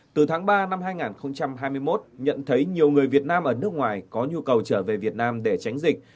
từ tháng ba năm hai nghìn hai mươi một nhận thấy nhiều người việt nam ở nước ngoài có nhu cầu trở về việt nam để tránh dịch